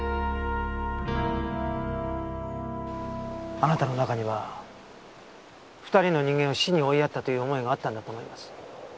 あなたの中には２人の人間を死に追いやったという思いがあったんだと思います。